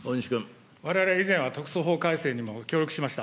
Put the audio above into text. われわれは以前は特措法改正にも協力しました。